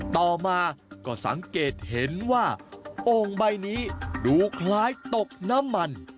ต่อมาก็สังเกตเห็นว่าโอ่งใบนี้ดูคล้ายตกน้ำมัน